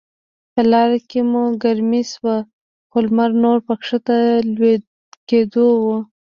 په لاره کې مو ګرمي شوه، خو لمر نور په کښته کیدو و.